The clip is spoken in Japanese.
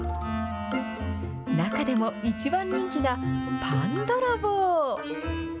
中でも一番人気が、パンどろぼう。